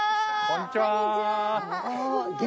こんにちは！